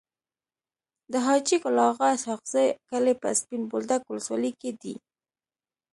د حاجي ګل اغا اسحق زي کلی په سپين بولدک ولسوالی کي دی.